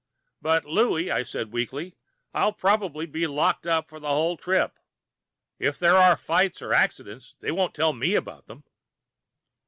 "But, Louie," I said weakly, "I'll probably be locked up for the whole trip. If there are fights or accidents, they won't tell me about them."